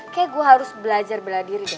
kayaknya gue harus belajar bela diri